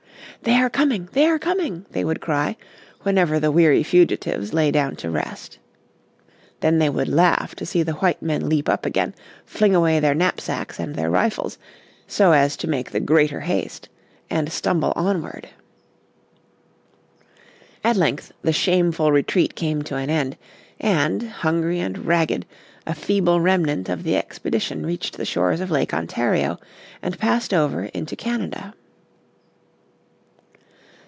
"They are coming! They are coming!" they would cry whenever the weary fugitives lay down to rest. Then they would laugh to see the white men leap up again, fling away their knapsacks and their rifles, so as to make the greater haste, and stumble onward. At length the shameful retreat came to an end, and, hungry and ragged, a feeble remnant of the expedition reached the shores of Lake Ontario, and passed over into Canada.